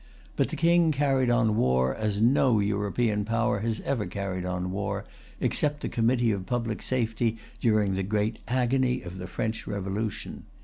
But the King carried on war as no European power has ever carried on war, except the Committee of Public Safety during the great agony of the French Revolution.